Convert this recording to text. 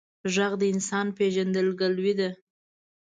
غږ د انسان پیژندګلوي ده